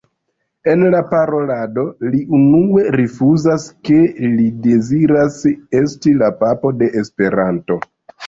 En la parolado li unue rifuzas, ke li deziras esti la Papo de Esperanto.